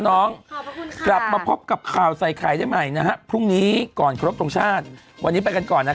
น้องกลับมาพบกับข่าวใส่ไข่ได้ใหม่นะฮะพรุ่งนี้ก่อนครบทรงชาติวันนี้ไปกันก่อนนะฮะ